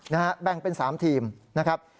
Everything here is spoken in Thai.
นะฮะแบ่งเป็น๓ทีมนะครับ